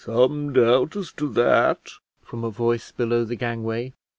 "Some doubt as to that," from a voice below the gangway.)